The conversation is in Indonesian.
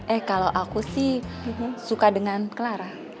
eh kalau aku sih suka dengan clara